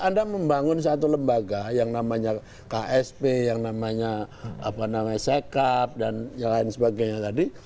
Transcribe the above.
anda membangun satu lembaga yang namanya ksp yang namanya sekap dan yang lain sebagainya tadi